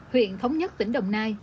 huyện thống nhất tỉnh đồng nai